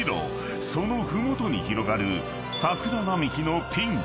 ［その麓に広がる桜並木のピンク］